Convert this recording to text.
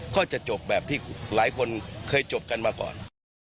ก็จะจบแบบที่หลายคนเคยจบกันมาก่อน